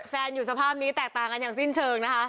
อยู่สภาพนี้แตกต่างกันอย่างสิ้นเชิงนะคะ